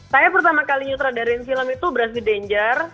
saya pertama kali nyutradarin film itu brush with danger